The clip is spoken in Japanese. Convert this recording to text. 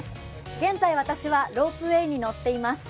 現在、私はロープウエーに乗っています。